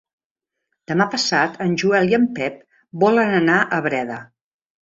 Demà passat en Joel i en Pep volen anar a Breda.